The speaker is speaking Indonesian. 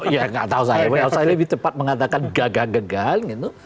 ya nggak tahu saya saya lebih tepat mengatakan gagah gagahan gitu